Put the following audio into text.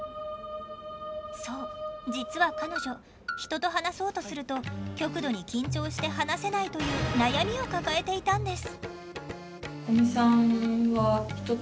そう実は彼女人と話そうとすると極度に緊張して話せないという悩みを抱えていたんです。